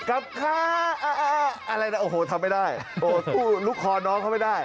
อะไรนี่ทำไม่ได้ลูกค้อน้องเข้าไม่ได้